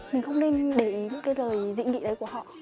mình không nên để ý cái lời dĩ nghị đấy của họ